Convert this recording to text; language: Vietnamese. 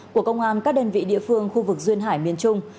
của công an các đơn vị địa phương khu vực duyên hải miền trung